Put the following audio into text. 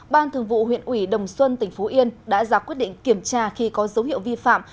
ban thường vụ huyện ủy đồng xuân tỉnh phú yên đã ra quyết định kiểm tra khi có dấu hiệu vi phạm